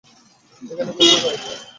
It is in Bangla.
এখানে খুবই গরম!